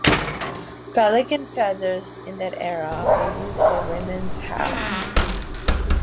Pelican feathers, in that era, were used for women's hats.